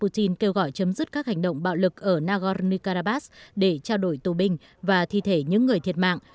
putin kêu gọi chấm dứt các hành động bạo lực ở nagorno karabakh để trao đổi tù binh và thi thể những người thiệt mạng